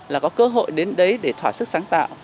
là có cơ hội đến đấy để thỏa sức sáng tạo